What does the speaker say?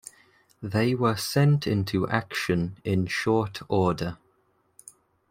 They were sent into action in short order.